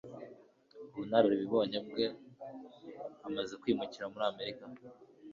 ubunararibonye bwe amaze kwimukira muri Amerika.